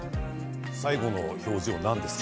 最後の表情、何ですか？